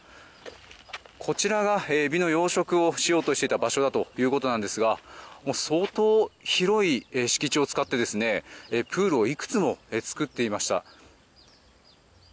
こちらがエビの養殖をしようとしていた場所だということですが相当広い敷地を使ってプールをいくつも作っていました。